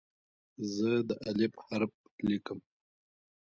زه د "الف" حرف لیکم.